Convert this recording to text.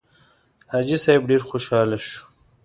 حاجي صیب ډېر خوشاله شو.